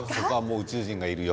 宇宙人がいるよ。